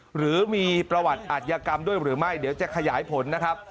หรือมีประวัติอัธยกรรมด้วยหรือไม่เดี๋ยวจะขยายผลนะครับ